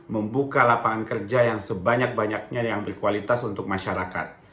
membuka lapangan kerja yang sebanyak banyaknya yang berkualitas untuk masyarakat